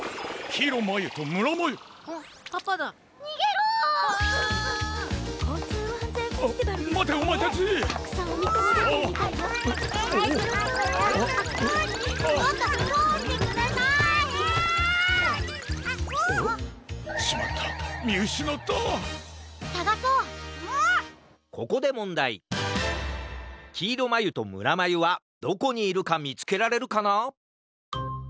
きいろまゆとむらまゆはどこにいるかみつけられるかな？